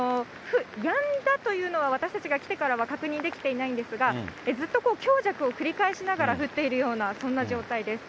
やんだというのは、私たちが来てからは確認できていないんですが、ずっと強弱を繰り返しながら降っているような、そんな状態です。